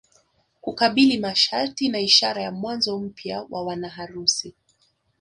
Kukabili masharti na ishara ya mwanzo mpya wa wanaharusi